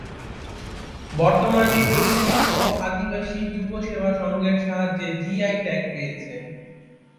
বর্তমানে এই শিল্প আদিবাসী যুব সেবা সংঘের সাহায্যে জি আই ট্যাগ পেয়েছে।